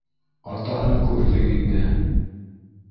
Атаһын күрҙең инде